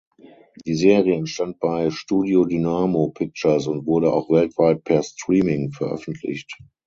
Die Serie entstand bei Studio Dynamo Pictures und wurde auch weltweit per Streaming veröffentlicht.